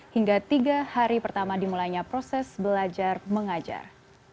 hingga tiga hari pertama dimulainya proses belajar mengajar